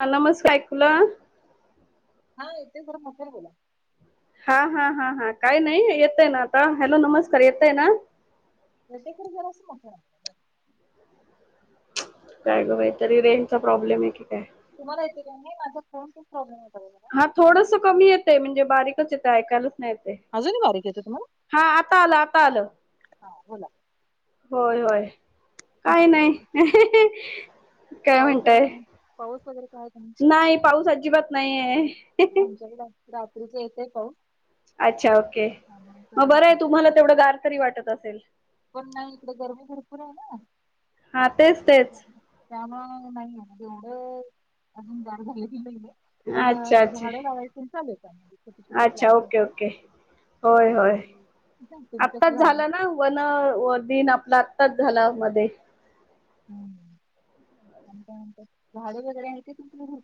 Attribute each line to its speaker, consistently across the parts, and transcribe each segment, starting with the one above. Speaker 1: हा नमस्कार ऐकुला
Speaker 2: हा येते जरा फफर बोला
Speaker 1: हा हा हा हा काय नाही येतय ना आता हॅलो नमस्कार येतय ना
Speaker 2: टेकडे जरसं
Speaker 1: काय ग बा तरी रेंज चा प्रॉब्लेम आहे की काय
Speaker 2: तुम्हाला येते का नाही माझ फोन खूप प्रॉब्लेमत
Speaker 1: हा थोडस कमी येतय म्हणजे बारीकच येते ऐकायलाच नाही ते
Speaker 2: अजूनही बारीक येतोय तुम्हाला?
Speaker 1: हा आता आलं आता आलं
Speaker 2: हा बोला
Speaker 1: होय होय काही नाही काय
Speaker 2: पाऊस
Speaker 1: म्हणताय
Speaker 2: आहे ना पाऊस वगैरे काय आहे का ना
Speaker 1: नाहीय
Speaker 2: आमच्या रात्रीच येतय पाऊ
Speaker 1: अच्छा ओके मग बरं आहे तुम्हाला
Speaker 2: शकत
Speaker 1: तेवढं गारकरी वाटत असेल
Speaker 2: पण नाही इकडे गरमी भरपूर आहे ना
Speaker 1: हा तेच तेच
Speaker 2: नाहीज एवढं अजून जाळ झालं बिल तर पण
Speaker 1: अच्छा अच्छा
Speaker 2: झाडं लावायची चालेल
Speaker 1: अच्छा ओके ओके होय होय
Speaker 2: आमच्याकडे तुम्ही कसं
Speaker 1: आत्ताच झालं ना वन दिन आपला आत्ताच झाला मध्ये
Speaker 2: हम्म आणि त्या नंतर झाडे वगैरे येत तुम घर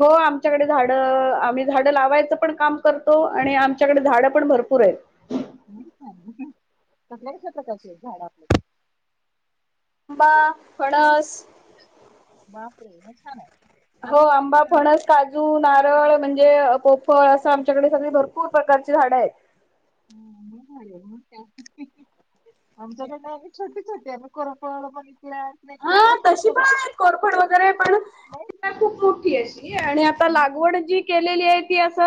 Speaker 1: हो आमच्याकडे झाड आम्ही झाडं लावायचं पण काम करतो आणि आमच्याकडे झाडं पण भरपूर भरपूर ये
Speaker 2: कसल्या कशा प्रकारचे आहेत झाड आपल्याचे
Speaker 1: आंबा फडस
Speaker 2: मग छान
Speaker 1: हो
Speaker 2: आम्ही नाही
Speaker 1: आंबा
Speaker 2: आम्ही
Speaker 1: फणस काजू नारळ म्हणजे म्हणजे पोपळ असं आमच्याकडे सगळी भरपूर प्रकारची झाडं आहेत
Speaker 2: ह आमच्याकडे आहे छोटी त्यानं करा पळला पण
Speaker 1: हा तशी पण नाही कोरपड वगैरे पण
Speaker 2: नाही
Speaker 1: खूप मोठी अशी आणि आता
Speaker 2: मी-
Speaker 1: लागवड जी केलेली आहे अस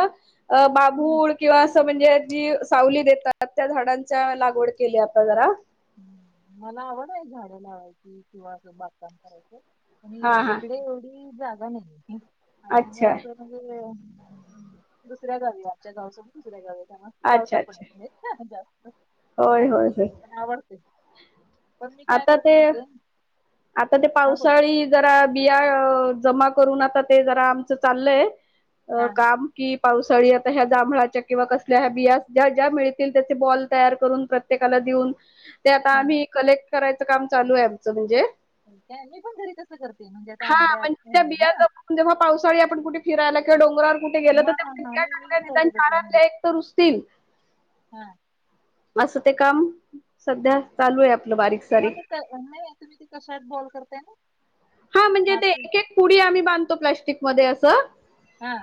Speaker 1: बाबू
Speaker 2: हं.
Speaker 1: किंवा अस म्हण ज जी सावली देतात त्या झाडांच्या लागवड केली आपण जरा
Speaker 2: ह मला आवड आहे झाडे लावायची किंवा बागकाम करायची आणि
Speaker 1: हा हा
Speaker 2: इकडे एवढी जागा नाही आणि
Speaker 1: अच्छा
Speaker 2: असं म्हणजे दुसऱ्या गावी आमच्या गावसोर दुसऱ्या गाव त्या
Speaker 1: अच्छा
Speaker 2: लावता पण
Speaker 1: अच्छा होय होय
Speaker 2: असं ना
Speaker 1: होय
Speaker 2: पण आवडते पण मी काय
Speaker 1: आता
Speaker 2: करते
Speaker 1: ते
Speaker 2: ना त
Speaker 1: आता ते पावसाळी जरा बिया जमा करून आता ते जरा आमच चाललंय
Speaker 2: हा हा
Speaker 1: काम कि पावसाळी आता ह्या जांभळाच्या किंवा कसल्या ह्या बिया ज्या ज्या मिळतील त्याचे बॉल तयार करून प्रत्येकाला ऊन ते आता
Speaker 2: हा
Speaker 1: आम्ही कलेक्ट करायचं काम चालू आहे आमचं म्हणजे
Speaker 2: मी पण घरी कसं करते म्हणजे आता
Speaker 1: हा
Speaker 2: आंब्या
Speaker 1: म्हणजे
Speaker 2: आंब ना
Speaker 1: हिरायलाके डोंगर कुठे गेलं तर
Speaker 2: हा
Speaker 1: त्या
Speaker 2: हा हा मी मी
Speaker 1: चगल्या
Speaker 2: मी करते
Speaker 1: निदान
Speaker 2: तसं मी
Speaker 1: चारांले एक तर रुसतील
Speaker 2: हा
Speaker 1: असं ते काम सध्या चालू आहे आप
Speaker 2: म ते नाही तुम्ही ते कशात बॉल करताय ना
Speaker 1: हा म्हणजे ते
Speaker 2: माती
Speaker 1: एक एक पुडी आम्ही बांधतो प्लास्टिकमध्येध्ये असं
Speaker 2: हा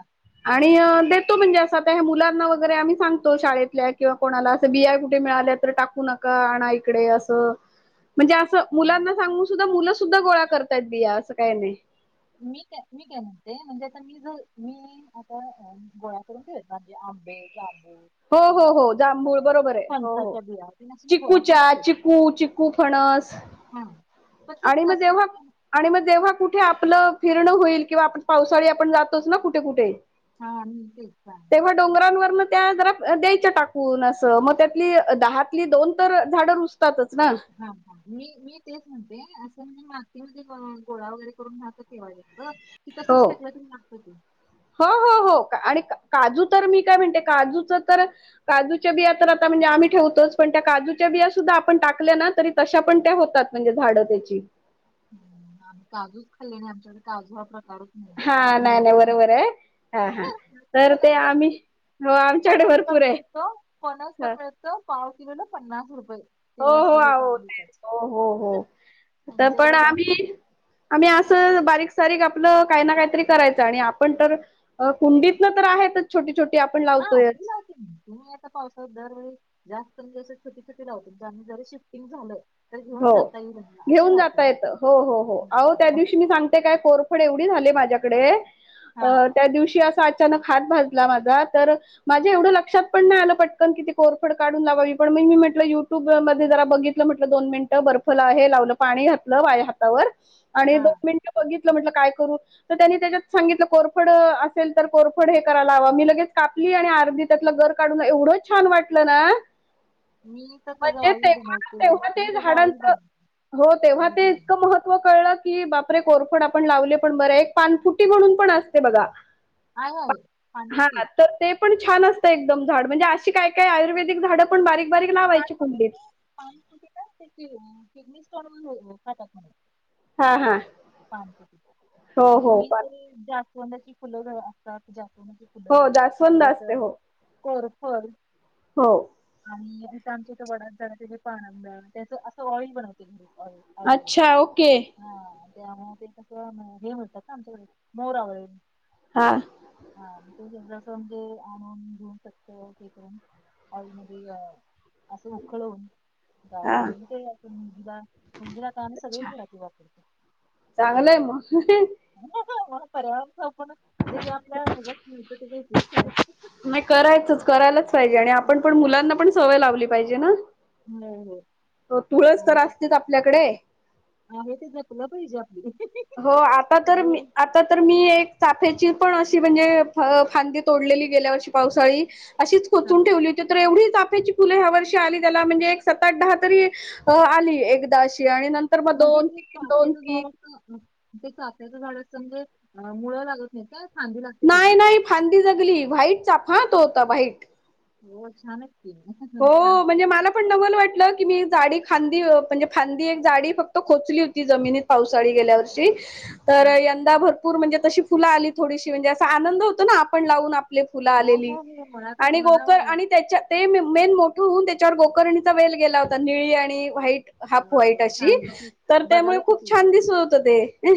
Speaker 1: आणि देतो म्हणजे असं आता मुलांना वगैरे आम्ही सांगतो शाळेतल्या किंवा कोणाला असं बिआय कुठे मिळाल्या टाकू नका आण इकडे असं म्हणजे असं
Speaker 2: हा.
Speaker 1: मुलांना सांगून सुद्धा मुलं सुद्धा गोळा करताय बिया असं काही नाही
Speaker 2: मी काय मी काय म्हणते म्हणजे आता मी ज मी आता गोळ्याकडून ठे म्हजे [unintelligible]
Speaker 1: हो हो हो जांभूळ बरोबर आहे हो हो
Speaker 2: फणसाच्या बिया ते असे मी गोळा करून
Speaker 1: चिकूचा
Speaker 2: ठेवत
Speaker 1: चिकू चिकू फणस
Speaker 2: [unintelligible]
Speaker 1: आणि मग
Speaker 2: कसं
Speaker 1: तेव्हा आणि मग तेव्हा कुठे आप आपलं फिरणं होईल किंवा आपण पावसाळी आपण जातोच ना कुठे कुठे
Speaker 2: हा का
Speaker 1: मग त्या द्याय टाकून अस मग त्यातली दातली दोन तर झा
Speaker 2: हा हा मी मी तेच म्हणते असं मी मा ते म्हणजे गोळा वगैरे करून राह ठेवाय अ ती
Speaker 1: हो
Speaker 2: तसच खेकऱतून लागत ते
Speaker 1: हो हो हो आणि काजू तर मी काय म्हणते काजूच तर काजूच्या बिया तर आता म्हणजे आम्ही ठेवतोच पण त्या काजू जूच्या बिया सुद्धा आपण टाकल्या ना तरी तशा पण त्या होतात म्हणजे झाडं त्याची
Speaker 2: ह आणिमही काजूच खाल्ली नाही आमच्याकडे काजू हा प्र
Speaker 1: हा नाही नाही बरोबर आहे हा हा तर ते आम्ही हो आमच्याकडे
Speaker 2: पणस पण
Speaker 1: भरपूर आहे
Speaker 2: मिळत पनस पण
Speaker 1: हो
Speaker 2: मिळत पाव किलोला पन्नास रुपये
Speaker 1: हो
Speaker 2: ते असं हे चालू देतात
Speaker 1: होच हो हो हो आता
Speaker 2: आमच्याकडे जास्त
Speaker 1: आही असं बारीक सारीक आपलं काही ना काहीतरी करायचं आणि आपण तर कुंडीतन तर आहेत छोटीछोी
Speaker 2: हाते तुम्ही आ पावसात दर जास्त टीछ लावत जर शिफ्टिंग झालंय तर घेऊन
Speaker 1: हो
Speaker 2: जात
Speaker 1: घेऊन जाता येत हो हो होहो त्या दिवशी मी सांगते काय कोरफड एवढी झाली माझी डे
Speaker 2: हा
Speaker 1: त्या दिवशी अस हातला माझा तर माझ्या एवढ लक्षात पण नाही आलं पटकन कि कोरफड काढून लावावी ी म्हटलं युट्यूब म जरा बघितलं म्हटलं दोन मिनिट बर्फ आहे लावलं पाणी घातलं हातावर आणि
Speaker 2: हा
Speaker 1: दोन मिनट बित काय करू त्यांनी त्याच्यात सांगितलं कोरफड असेल तर कोरफड हे करायला ह मी लगेच का आरदी त्यातलं घर काढून एवढं छान वाटलं ना
Speaker 2: मी तर त्याचा ऑइल बनवते मी त्याचा
Speaker 1: ड
Speaker 2: ऑइल बनवते
Speaker 1: हो तेव्हा
Speaker 2: मी
Speaker 1: ते
Speaker 2: घरी
Speaker 1: इतकं महत्व कळलं की बापरे कोरफड आपण लावले पण बरं एक पानफुटी म्हणून पण असते बघा
Speaker 2: आहे आहे पाणखती
Speaker 1: पणछान असतं एकदम झाड म्हणजे अशी काय काय आयुर्वेदिक झाड पण बारीक बारीक
Speaker 2: नाही ते पान
Speaker 1: लावायची कुंडीत
Speaker 2: वगैरे पिकनिक स्पॉट व पाटक
Speaker 1: हां, हां. हो,
Speaker 2: आणि
Speaker 1: हो.
Speaker 2: मी
Speaker 1: पण
Speaker 2: जास्त फुलं असतात तुझ्या
Speaker 1: हो दासवंद असते हो
Speaker 2: करर फर
Speaker 1: हो
Speaker 2: आणि इ आमच्या वडात झाला तिथे पाणड त्याच असं ॉळी बनवते म्हे हो अ
Speaker 1: अच्छा ओके.
Speaker 2: हा त्यामुळे ते हे होतात ना आमच्या मोरा व
Speaker 1: हा
Speaker 2: ते जसं म्हणजे आणून घेऊन शकत ते करून आई म असं उखळ होऊन गार कर
Speaker 1: हां.
Speaker 2: ते आपण मुलगीला मुलगीला का नाही सगळे घडचे वापरतेो
Speaker 1: चांगलंय म
Speaker 2: पर्यावर आपणण जे जे आपल्या ह मिळत तेरायच
Speaker 1: नाही करायचच करायलाच पाहिजे आणि
Speaker 2: हो
Speaker 1: आपण पण मुलांना पण सवय लावली पाहिजे ना
Speaker 2: होम् हो
Speaker 1: हो तुळस तर असतेच आपल्याकडे.
Speaker 2: तर हे तेच ना खुलं पाहिजे आपली
Speaker 1: हो आता तर मी
Speaker 2: सगळे
Speaker 1: आता तर मी एक फेची पण अशी म्हणजे फांदी तोडलेली गेल्यावरशी पावसाळी अशीच
Speaker 2: हा
Speaker 1: कोचून ठेवली होती तर एवढी फ वर्षली त्या म्हण द तरी आली एक
Speaker 2: म्हणजे तु पाह त झाड सात्याचं झाड समजे मुळ लागत नाही का
Speaker 1: नाही नाही फांदी जगली वा्हाईट चाफळतो होता वा्हाईट
Speaker 2: हो अचछाान
Speaker 1: हो म्हणजे मला पण नवल वाटलं की मी जाडी खांदी म्हणजे फांदी एक जाडी फक्त खोचली होती जमिनीत पावसाळी गेल्या वर्षी
Speaker 2: हा
Speaker 1: तर यंदा भरपूर म्हणजे तशी फुलं आली थोडीशी म्हणजे असा आनंद होतो ना आपण लावून फु
Speaker 2: हो
Speaker 1: आलेली
Speaker 2: हो हो मला तर
Speaker 1: आणि गो
Speaker 2: मला
Speaker 1: आणि त्याच्या मेन मोठं होऊन त्याच्यावर गोकर्णीचा वेल गेला होता निळी आणि व्हाईट हाफ
Speaker 2: वाव
Speaker 1: व्हाईट अशी
Speaker 2: छान किती
Speaker 1: तर त्यामुळे
Speaker 2: बघायला
Speaker 1: खूप
Speaker 2: किती
Speaker 1: छान दिसत होत ते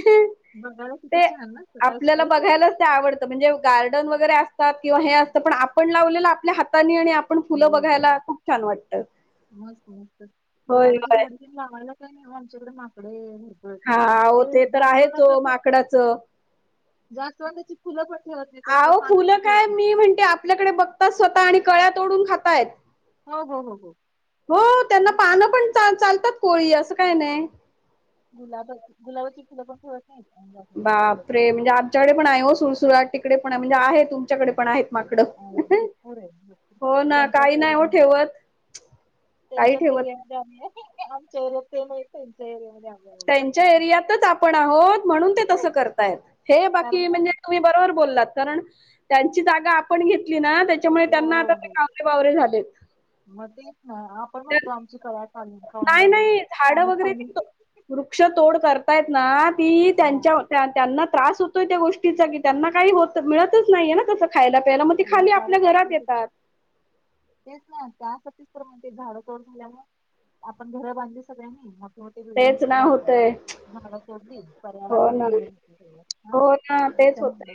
Speaker 2: बघायला किती
Speaker 1: ते
Speaker 2: छान ना सकाळी
Speaker 1: आपल्याला
Speaker 2: सकाळी.
Speaker 1: बघायलाच ते आवडतं म्हणजे गार्डन वगैरे असत किंवा हे असतं पण आपण लावलेलं आपल्या हातानी आणि आपण फुलं
Speaker 2: हो हो.
Speaker 1: बघायला खूप छान वाटतं
Speaker 2: मस्त मस्त
Speaker 1: होय
Speaker 2: गुलाबाची
Speaker 1: होय
Speaker 2: झाडी पि लावायला काय नाही आमच्याकडे माकडे भ
Speaker 1: हा ते तर आहेच हो माकडाच
Speaker 2: जास्वंदाची फुलं पण ठेवत नाही ते
Speaker 1: अहो
Speaker 2: पानं पण
Speaker 1: फुलं काय
Speaker 2: ठेवत नाही
Speaker 1: मी म्हणते आपल्याकडे बघतात स्वतः आणि कळ्या तोडून खातायत
Speaker 2: हो हो हो
Speaker 1: हो त्यांना पानं पण चालतात कोवळी असं काय नाही
Speaker 2: गुलाब गुलाबाची फुलं पण ठेवत नाही
Speaker 1: बापरे म्हणजे आमच्याकडे पण आहे सुुळसुळट तिकडे पण आहे म्हणजे आहे तुमच्याकडे पण आहेत माकडं.
Speaker 2: अ भरपूर आहे भपूर
Speaker 1: हो ना
Speaker 2: त्यांच्याच
Speaker 1: काही
Speaker 2: गर
Speaker 1: नाही हो
Speaker 2: जा
Speaker 1: ठेवत काही
Speaker 2: त्यांच्याच
Speaker 1: ठेवत नाही.
Speaker 2: एरियामध्ये आम्ही हाय आमच्या एरियात ते नाही त्यांच्या एरिया मध्ये आ
Speaker 1: त्यांच्या एरियातच आपण आहोत म्हणून ते तसं करतायत हे
Speaker 2: कारण
Speaker 1: बाकी
Speaker 2: मग
Speaker 1: म्हणजे तुम्ही बरोबर बोललात कारण त्यांची जागा आपण घेत
Speaker 2: हो हो हो
Speaker 1: झालेत.
Speaker 2: मग तेच ना आपण
Speaker 1: त्या
Speaker 2: म्हणतो आमची क-
Speaker 1: नाही नाही झाडं वगैरे
Speaker 2: गेली.
Speaker 1: वृक्ष तोड करतायत ना ती
Speaker 2: हा
Speaker 1: त्यांच्या त्यांना त्रास होतोय त्या गोष्टीचा की त्यांना काही होत मिळतच नाहीये ना तस
Speaker 2: त्यांना खायला काय म्हणत होती तेच ना म्हण झाड तोड झाल्यावर आपण घर बांधली सगळ्यांनी छोटे
Speaker 1: तेच
Speaker 2: बिल्डिंग्स
Speaker 1: ना
Speaker 2: झाली
Speaker 1: होतय
Speaker 2: झाड तोडली
Speaker 1: हो
Speaker 2: पर्यावरण
Speaker 1: ना
Speaker 2: पण हे
Speaker 1: हो ना तेच होतय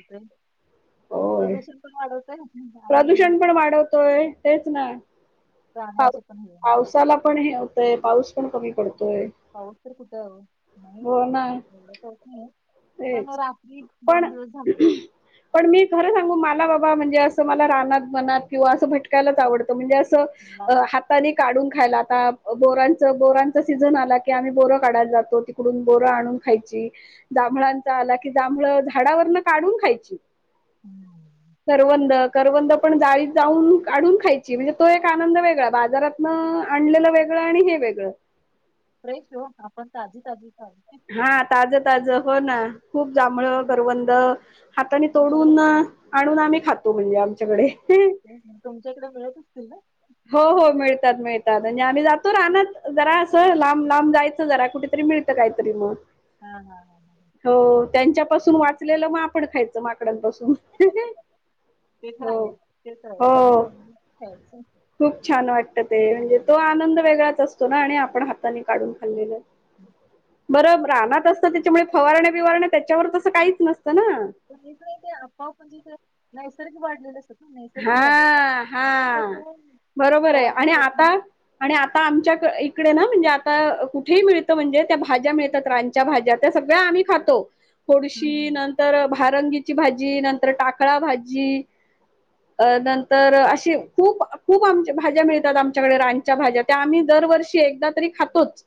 Speaker 1: होय.
Speaker 2: प्रदूषण पण वाढवतंय
Speaker 1: प्रदूषण पण वाढवतोय तेच ना पा
Speaker 2: प्राण्यांचे पण हे होणार.
Speaker 1: पावसाला पण हे होतंय पाऊस पण कमी पडतो
Speaker 2: पाऊस तर कुठं नाही
Speaker 1: हो ना
Speaker 2: एवढं करत नाही पण
Speaker 1: तेच
Speaker 2: रात्री
Speaker 1: पण
Speaker 2: दोन दिवस झाले
Speaker 1: पण मी खर सांग सांगू मला बाबा म्हणजे असं मला रानात वनात किंवा असं भटकायलाच आवडतं म्हणजे असं
Speaker 2: मला
Speaker 1: अ हाताने काढून खायला आता बोरांच बोरांच सीझन आला की आम्ही बोर काढायला जातो तिकडून बोरं आणून खायची जांभळांचा आला की जांभळ झाडावरन काढून खायची करवंद करवद पण जाळीत जाऊन काढून खायची म्हणजे तो एक आनंद वेग ळा बाजारातन आणलेलं वेगळं आणि हे वेगळं
Speaker 2: फ्रेश हो आपण ताजी ताजी खा
Speaker 1: हा ताजं ताजं हो ना खूप जांभळं
Speaker 2: तुम-
Speaker 1: करवंद हाताने तोडून
Speaker 2: तुमच्याकडे
Speaker 1: आणून आम्ही खातो तो म्हणजे आमच्याकडे
Speaker 2: तुमच्याकडे मिळत असतील ना
Speaker 1: हो हो मिळतात मिळतात आणिजे आम्ही जातो राहना जरा असं लांब लांब जायच कुठंतरी मिळत कायतरी मग
Speaker 2: हा हा हा हा
Speaker 1: हो त्यांच्या पाासून वाच माप ण खायचं माकडांपासून
Speaker 2: ते तर
Speaker 1: हो
Speaker 2: आहेच ते तर आहेच
Speaker 1: हो
Speaker 2: त्तानी त्यां सोच
Speaker 1: खूप छान वाटत ते म्हणजे तो आनंद वेगळाच असतो ना आणि आपण हाताने काढून खाल्लेला बर
Speaker 2: आणि
Speaker 1: रानात असत त्याच्यामुळे फवारण्या बिवारण्या त्याच्यावर तसं काहीच नसत
Speaker 2: च नाही ते आपोआप जस नैसर्गिक वाडलेला आसतात.
Speaker 1: हा हा बरोबरय
Speaker 2: फवारणी
Speaker 1: आणि आता
Speaker 2: करून
Speaker 1: आणि आता आमच्या क एक ना म्हणजे आता कुठेही मिळत म्हणजे त्या भाज्या मिळतात रानच्या भाज्या, त्या सगळ्या आम्ही खातो.
Speaker 2: हम्म,
Speaker 1: खोडुशी
Speaker 2: हम्म.
Speaker 1: नंतर, भारंगीची भाजी नंतर, टाकळा भाजी अ नंतर अशी खूप खूप आमच्या भाज्या मिळतात आमच्याकडे रानच्या भाज्या त्या आम्ही दरवर षी एकदा तरी खातोच.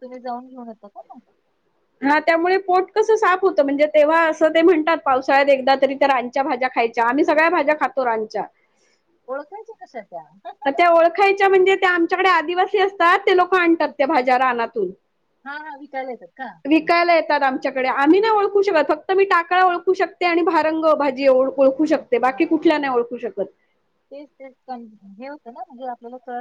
Speaker 2: तुम्ही जाऊन घेऊन येता का मग?
Speaker 1: त्यामुळे पोट कसं साफ होतं म्हणजे तेव्हा असं ते म्हणतात पावसाळ्यात एकदा तरी त्या रानच्या भाज्या खायच्या. आम्ही सगळ्या भाज्या खातो रानच्या.
Speaker 2: ओळखायच्या कशा त्या
Speaker 1: आता त्या ओळखायच्या म्हणजे त्या आमच्याकडे आदिवासी असतात ते लोक आणतात त्या भाज्या रानातून
Speaker 2: हा हा विकायला येतात का?
Speaker 1: विकायला येतात आमच्याकडे आम्ही
Speaker 2: हा
Speaker 1: नाय ओळखू शकत फक्त मी टाकळा ओळखू शकते आणि भारंग भाजी एव
Speaker 2: हा तेच तेच कन हे होतं ना म्हणजे आ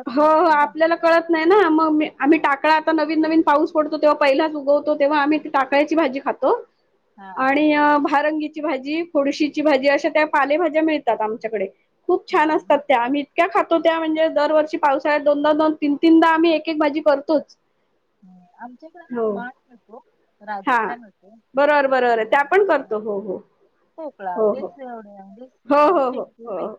Speaker 1: ह हो आपल्याला कळत नाही ना मग मी आम्ही टाकळा आता नवीन नवीन पाऊस पडतो तेव्हा पहिलाच उगवतो, तेव्हा आम्ही ती टाकळ्याची भाजी खातो.
Speaker 2: हा
Speaker 1: आणि अ भारंगी ची भाजी, फोडुशीची भाजी अश्या त्या पालेभज्या मिळतात आमच्याकडे. खूप छान
Speaker 2: हा.
Speaker 1: असतात
Speaker 2: मग
Speaker 1: त्या आम्ही इतक्या खातो त्या म्हणजे दरवर्षी पावसाळ्यात दोनदा दोन तीन तीनदा आम्ही एक एक भाजी करतोच.
Speaker 2: आमच्याकडं ना
Speaker 1: हो
Speaker 2: माठ मिळतो, राजगिरा मिळतो.
Speaker 1: बर बरोबर ए त्या पण
Speaker 2: आणि
Speaker 1: करतो हो हो.
Speaker 2: पोकळा
Speaker 1: हो
Speaker 2: तेच
Speaker 1: हो
Speaker 2: एवढं
Speaker 1: हो हो हो ह ह.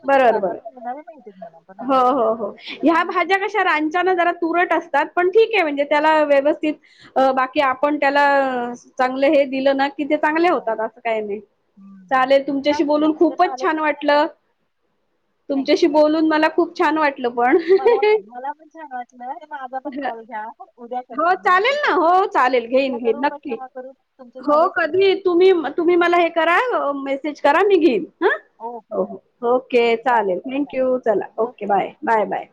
Speaker 2: म्हणजे
Speaker 1: बरोबर बरोबर
Speaker 2: बाजारात मिळणारे मिळतेच म्हणा पण
Speaker 1: हो
Speaker 2: आमच्या इथे
Speaker 1: हो हो
Speaker 2: असं विकायला
Speaker 1: ह्या
Speaker 2: काही होत
Speaker 1: भाज्या
Speaker 2: नाही
Speaker 1: कशा रानच्यानं जरा तुरट असतात. पण ठीक आहे म्हणजे त्याला व्यवस्थित अ बाकी आपण अ त्याला चांगलं हे दिलं ना कि ते चांगले
Speaker 2: हा
Speaker 1: होतात असं काही नाही
Speaker 2: हम्म
Speaker 1: चालेल तुम
Speaker 2: काय
Speaker 1: शी
Speaker 2: नाही तर
Speaker 1: खूपच छान
Speaker 2: पालेभाजी नाही आहे
Speaker 1: वाटलं
Speaker 2: थँक्यू
Speaker 1: तुमच्याशी बोलून मला खूप छान वाट
Speaker 2: मला पण मला पण छान वाटलं म माझा पण कॉल घ्या उद्या करते
Speaker 1: हो चालेल
Speaker 2: मी.
Speaker 1: ना हो चालेल घेईन
Speaker 2: उद्या करू
Speaker 1: घेईन
Speaker 2: का
Speaker 1: नक्की.
Speaker 2: केव्हा करू तुमचे झाले
Speaker 1: हो
Speaker 2: असतील
Speaker 1: कधीही तुम्ही तुम्ही मला हे करा अ मेसेज करा मी घेईन. ह हो
Speaker 2: ओके
Speaker 1: हो
Speaker 2: हां
Speaker 1: ओके
Speaker 2: चला बाय
Speaker 1: चालेल
Speaker 2: बाय
Speaker 1: थँक्यू चला
Speaker 2: bye
Speaker 1: okay bye bye bye.